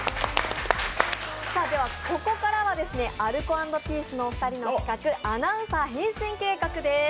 ここからはアルコ＆ピースのお二人の企画、アナウンサー変身計画です。